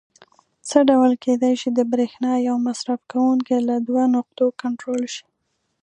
څه ډول کېدای شي د برېښنا یو مصرف کوونکی له دوو نقطو کنټرول شي؟